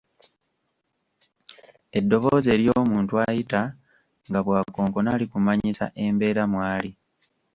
Eddoboozi ery’omuntu ayita nga bw'akonkona likumanyisa embeera mwali.